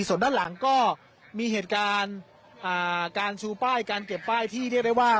ส่วนด้านหลังก็มีเหตุการณ์การชูป้ายการเก็บป้ายที่เรียกได้ว่า